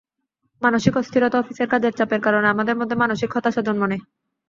মানসিক অস্থিরতা, অফিসের কাজের চাপের কারণে আমাদের মধ্যে মানসিক হতাশা জন্ম নেয়।